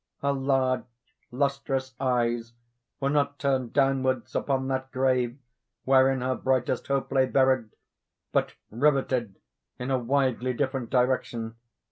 —her large lustrous eyes were not turned downwards upon that grave wherein her brightest hope lay buried—but riveted in a widely different direction!